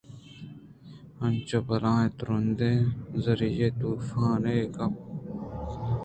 انچیں بلاہ ءُ تُرٛندیں زِری طوفانے ءَ گپت اَنت